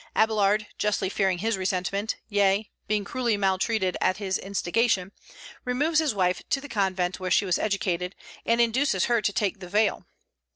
Abélard, justly fearing his resentment, yea, being cruelly maltreated at his instigation, removes his wife to the convent where she was educated, and induces her to take the veil.